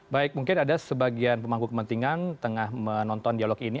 baik mungkin ada sebagian pemangku kepentingan tengah menonton dialog ini